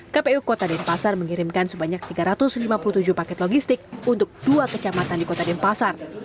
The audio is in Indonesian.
kpu kota denpasar mengirimkan sebanyak tiga ratus lima puluh tujuh paket logistik untuk dua kecamatan di kota denpasar